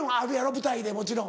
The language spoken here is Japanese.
舞台でもちろん。